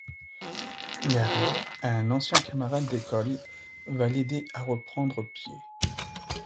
Gary, un ancien camarade d'école, va l'aider à reprendre pied.